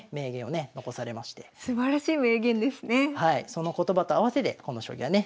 その言葉と合わせてこの将棋はね